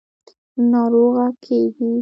– ناروغه کېږې.